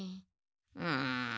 うん。